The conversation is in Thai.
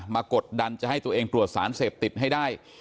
กดดันจะให้ตัวเองตรวจสารเสพติดให้ได้